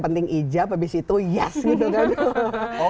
penting ijab habis itu yes gitu kan oke oke langsung lega gitu ya